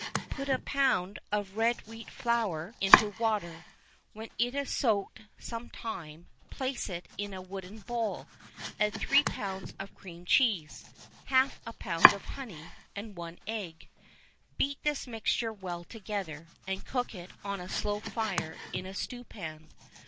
Put a pound of red wheat flour into water; when it has soaked some time, place it in a wooden bowl, add three pounds of cream cheese, half a pound of honey, and one egg; beat this mixture well together, and cook it on a slow fire in a stewpan.